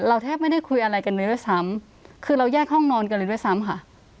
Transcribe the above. แทบไม่ได้คุยอะไรกันเลยด้วยซ้ำคือเราแยกห้องนอนกันเลยด้วยซ้ำค่ะ